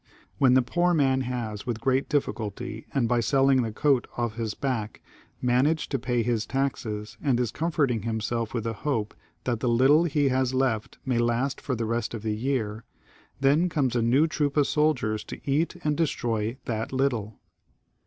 When the poor man has with great diflSculty, and by selling the coat off his back, man aged to pay his taxes, and is comforting himself with the hope that the little he has left may last for the rest of the year, then comes a new troop of soldiers to eat and destroy that little.